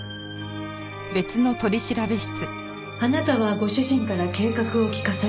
あなたはご主人から計画を聞かされ